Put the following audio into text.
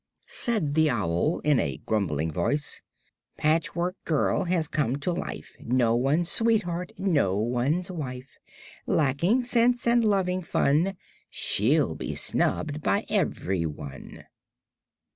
Said the owl in a grumbling voice: "Patchwork Girl has come to life; No one's sweetheart, no one's wife; Lacking sense and loving fun, She'll be snubbed by everyone."